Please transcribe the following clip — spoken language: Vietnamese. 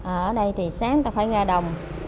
ở đây thì sáng ta phải ra đồng